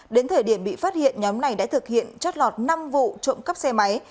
đến thời điểm bị phát hiện nhóm này đã thực hiện chót lọt năm vụ trộm cắp xe máy